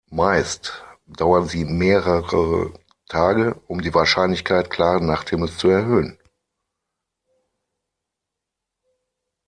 Meist dauern sie mehrere Tage, um die Wahrscheinlichkeit klaren Nachthimmels zu erhöhen.